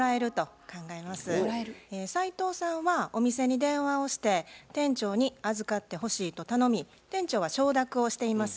斉藤さんはお店に電話をして店長に「預かってほしい」と頼み店長は承諾をしています。